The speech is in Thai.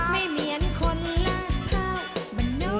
มีคนรักเขามันรู้ว่า